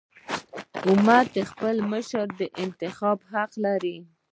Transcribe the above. امت د خپل مشر د انتخاب حق لري.